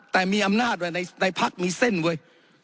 แต่มีอำนาจไว้ในพักมีเส้นเว้ย